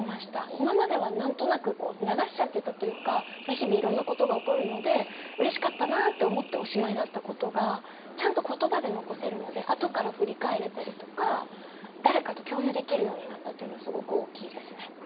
今までは何となくこう流しちゃってたというか日々いろんなことが起こるのでうれしかったなって思っておしまいだったことがちゃんと言葉で残せるのであとから振り返れたりとか誰かと共有できるようになったっていうのがすごく大きいですね。